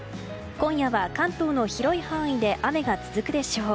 今夜は関東の広い範囲で雨が続くでしょう。